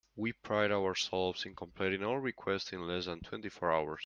We pride ourselves in completing all requests in less than twenty four hours.